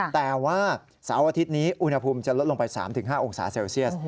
แต่ว่าเสาร์อาทิตย์นี้อุณหภูมิจะลดลงไป๓๕องศาเซลเซียส